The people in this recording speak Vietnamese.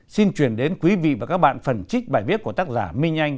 xin chuyển đến quý vị và các bạn phần trích bài viết của tác giả minh anh